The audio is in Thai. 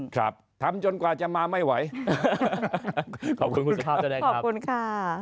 ครับทำจนกว่าจะมาไม่ไหวขอบคุณคุณสุภาพแสดงครับขอบคุณค่ะ